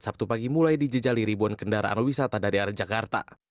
sabtu pagi mulai dijejali ribuan kendaraan wisata dari arjakarta